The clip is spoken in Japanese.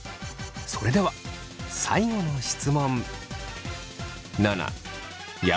それでは最後の質問。